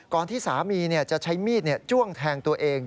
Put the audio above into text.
ที่สามีจะใช้มีดจ้วงแทงตัวเอง